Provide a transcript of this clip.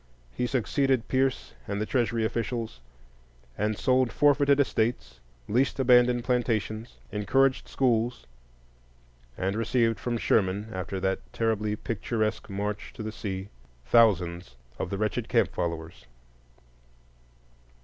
He succeeded Pierce and the Treasury officials, and sold forfeited estates, leased abandoned plantations, encouraged schools, and received from Sherman, after that terribly picturesque march to the sea, thousands of the wretched camp followers.